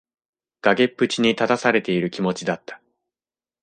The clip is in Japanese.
崖っぷちに立たされている気持ちだった。